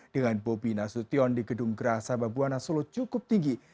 dengan bobi nasution di gedung graha sababuanasolo cukup tinggi